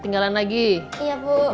enggak ada suara